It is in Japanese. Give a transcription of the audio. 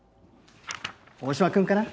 大島君かな？